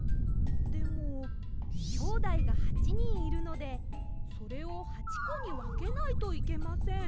でもきょうだいが８にんいるのでそれを８こにわけないといけません。